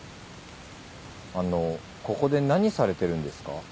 あのここで何されてるんですか？